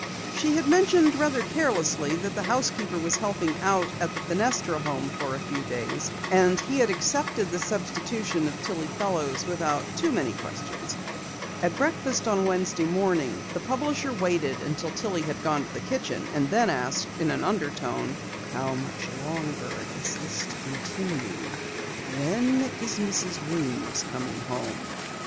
She had mentioned rather carelessly that the housekeeper was helping out at the Fenestra home for a few days, and he had accepted the substitution of Tillie Fellows without too many questions. At breakfast on Wednesday morning, the publisher waited until Tillie had gone to the kitchen, and then asked in an undertone: "How much longer is this to continue? When is Mrs. Weems coming home?"